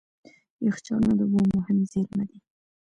یخچالونه د اوبو مهم زیرمه دي.